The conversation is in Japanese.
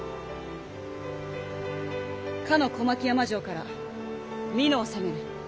かの小牧山城から美濃を攻める。